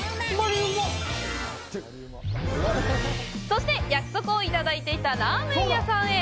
そして、約束をいただいていたラーメン屋さんへ。